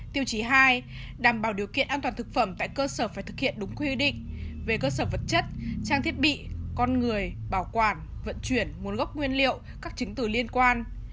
tiêu chí hai đảm bảo điều kiện an toàn thực phẩm tại cơ sở phải thực hiện đúng quy định về cơ sở vật chất trang thiết bị con người bảo quản vận chuyển nguồn gốc nguyên liệu các chứng từ liên quan